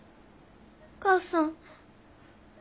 お母さん。